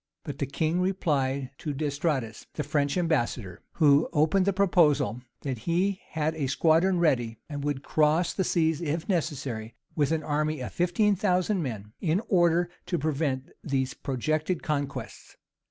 But the king replied to D'Estrades, the French ambassador, who opened the proposal, that he had a squadron ready, and would cross the seas, if necessary, with an army of fifteen thousand men, in order to prevent these projected conquests.